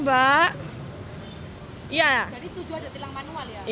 jadi setuju ada tilang manual ya